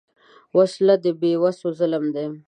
وسله د بېوسو ظلم ده